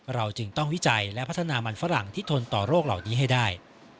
เราจึงต้องวิจัยและพัฒนามันฝรั่งที่ทนต่อโรคเหล่านี้ให้ได้